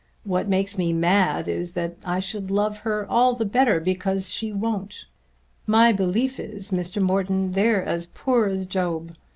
What makes me mad is that I should love her all the better because she won't. My belief is, Mr. Morton, they're as poor as Job.